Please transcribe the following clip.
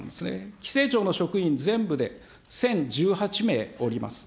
規制庁の職員全部で１０１８名おります。